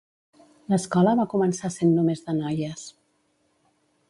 L'escola va començar sent només de noies.